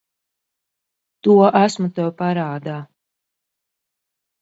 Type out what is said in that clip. To esmu tev parādā.